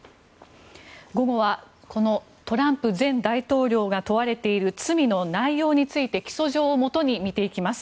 午後はこのトランプ前大統領が問われている罪の内容について起訴状をもとに見ていきます。